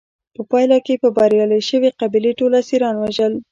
په پایله کې به بریالۍ شوې قبیلې ټول اسیران وژل.